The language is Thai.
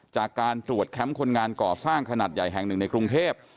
จากการตรวจแคมป์คนงานก่อสร้างขนาดใหญ่แห่งหนึ่งในกรุงเทพ